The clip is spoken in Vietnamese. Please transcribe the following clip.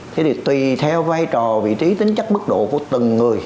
thế thì tùy theo vai trò vị trí tính chất mức độ của từng người